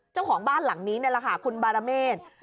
เจ้าของบ้านหลังนี้นี่แหละค่ะคุณบารเมษ